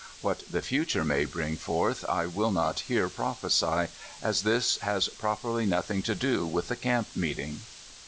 What the future may bring forth I will not here prophesy, as this has properly nothing to do with the camp meeting.